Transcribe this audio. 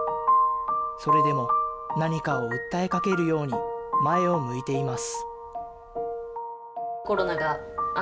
それでも何かを訴えかけるように、前を向いています。